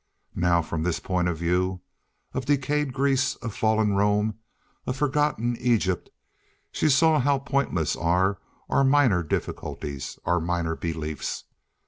Now from this point of view—of decayed Greece, of fallen Rome, of forgotten Egypt, she saw how pointless are our minor difficulties, our minor beliefs.